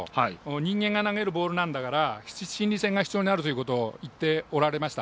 人間が投げるボールなんだから心理戦が必要になるということを言っておられました。